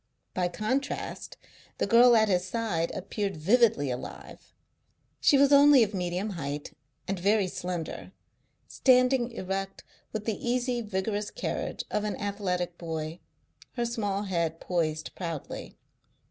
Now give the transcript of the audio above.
By contrast the girl at his side appeared vividly alive. She was only of medium height and very slender, standing erect with the easy, vigorous carriage of an athletic boy, her small head poised proudly.